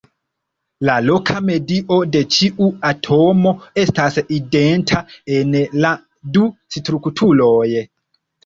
La loka medio de ĉiu atomo estas identa en la du strukturoj.